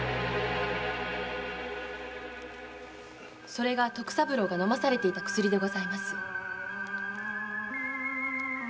それが徳三郎が飲まされていた薬です。